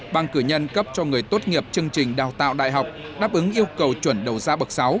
bằng cử nhân cấp cho người tốt nghiệp chương trình đào tạo đại học đáp ứng yêu cầu chuẩn đầu gia bậc sáu